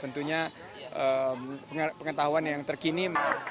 tentunya pengetahuan yang terkini